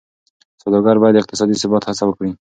سوداګر باید د اقتصادي ثبات هڅه وکړي.